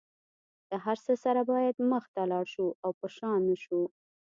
له هر څه سره باید مخ ته لاړ شو او په شا نشو.